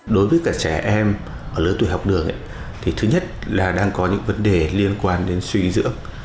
đối với cả trẻ em ở lứa tuổi học đường thì thứ nhất là đang có những vấn đề liên quan đến suy dưỡng